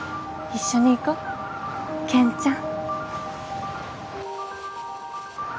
一緒に逝こう健ちゃん。